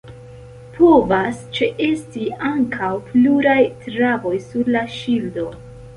Povas ĉeesti ankaŭ pluraj traboj sur la ŝildo.